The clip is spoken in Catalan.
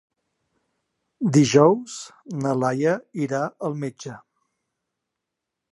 Dijous na Laia irà al metge.